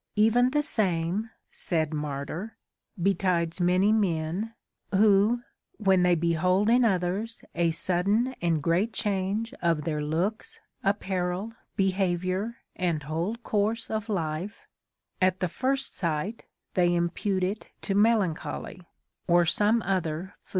Even the same (said Martyr) betides many men, who, when they behold in others a suddaine and great change of their lookes, apparell, behaviour, and whole course of life, at the first sight they impute it to melancholy, or some other fool TRANSLATOR S PREFACE.